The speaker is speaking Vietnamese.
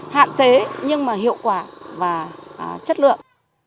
hạn chế nhưng mà hiệu quả và chất lượng